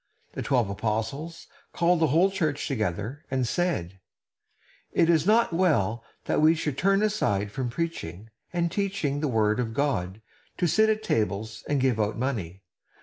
The twelve apostles called the whole church together, and said: "It is not well that we should turn aside from preaching and teaching the word of God to sit at tables and give out money.